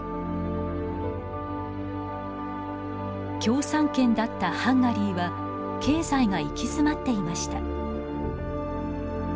共産圏だったハンガリーは経済が行き詰まっていました。